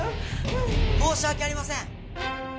申し訳ありません！